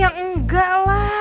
ya enggak lah